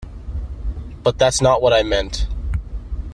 But that's not what I mean.